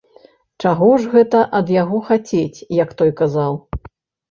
Чаго ж гэта ад яго хацець, як той казаў?